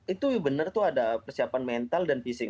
itu benar tuh ada persiapan mental dan fisik